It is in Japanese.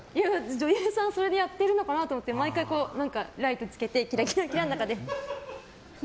女優さんそれでやってるのかなと思って毎回ライトつけてキラキラの中で。